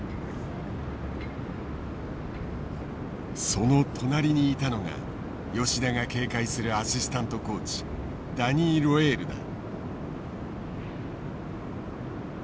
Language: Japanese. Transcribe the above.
その隣にいたのが吉田が警戒するアシスタントコーチダニー・ロェールだ。